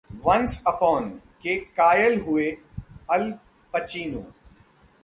'once upon...' के कायल हुए अल पचिनो